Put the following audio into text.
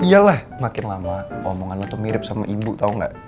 iyalah makin lama omongan lo tuh mirip sama ibu tau gak